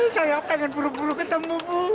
saya pengen buru buru ketemu